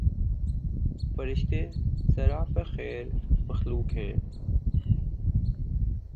فرشتے سراپاخیر مخلوق ہیں